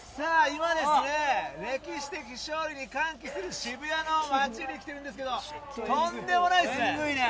今ですね、歴史的勝利に歓喜する渋谷の街に来ているんですけどとんでもないすね。